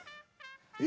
え？